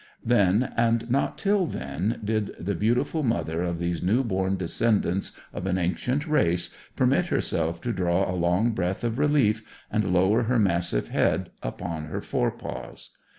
Then, and not till then, did the beautiful mother of these new born descendants of an ancient race permit herself to draw a long breath of relief, and lower her massive head upon her fore paws.